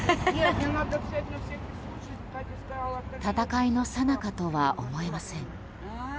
戦いのさなかとは思えません。